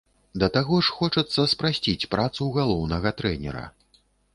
Да таго ж хочацца спрасціць працу галоўнага трэнера.